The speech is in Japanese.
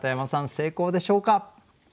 成功でしょうか？